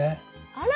あら！